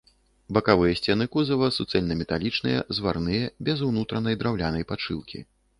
Бакавыя сцены кузава суцэльнаметалічныя, зварныя, без унутранай драўлянай падшыўкі.